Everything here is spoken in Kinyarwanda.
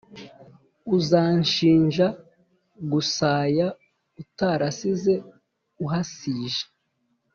Uzanshinja gusaya Utarasize uhasije?